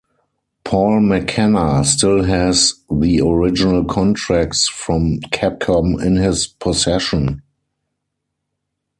Paul McKenna still has the original contracts from Capcom in his possession.